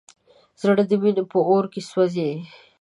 زړه د مینې په اور کې سوځي.